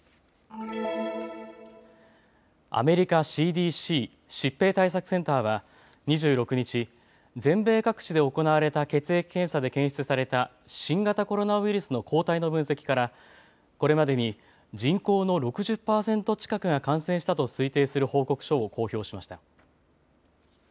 アメリカＣＤＣ・疾病対策センターは２６日、全米各地で行われた血液検査で検出された新型コロナウイルスの抗体の分析からこれまでに人口の６０％近くが感染したと推定する報告書を公表しました。